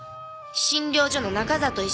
診療所の中里医師。